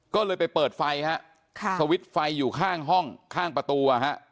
ก็เลยไปเปิดไฟฮะสวิตช์ไฟอยู่ข้างห้องข้างประตู